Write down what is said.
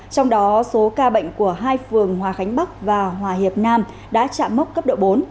trong đó số ca bệnh của hai phường hòa khánh bắc và hòa hiệp nam đã chạm mốc cấp độ bốn